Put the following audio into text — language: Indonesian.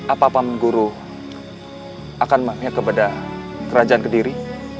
apa paman guru akan memihak kepada kerajaan ke diri